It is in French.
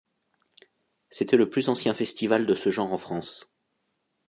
C'était le plus ancien festival de ce genre en France.